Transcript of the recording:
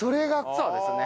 そうですね。